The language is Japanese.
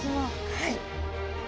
はい。